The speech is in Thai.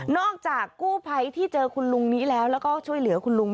จากกู้ภัยที่เจอคุณลุงนี้แล้วแล้วก็ช่วยเหลือคุณลุง